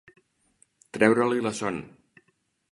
Treure-li la son.